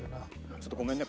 ちょっとごめんね。